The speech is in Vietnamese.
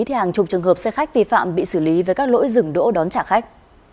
thì hàng chục trường hợp xe khách vi phạm bị xử lý với các lỗi dừng đỗ đón trả khách